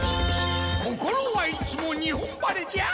心はいつも日本晴れじゃ。